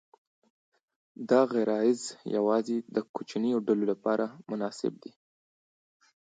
دا غرایز یواځې د کوچنیو ډلو لپاره مناسب دي.